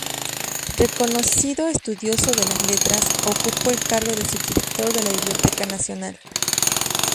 Reconocido estudioso de las letras, ocupó el cargo de subdirector de la Biblioteca Nacional.